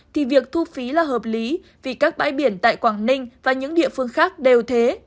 thì việc thu phí là hợp lý vì các bãi biển tại quảng ninh và những địa phương khác đều thế